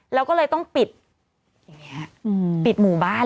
แล้วก็เลยต้องปิดอย่างนี้ปิดหมู่บ้าน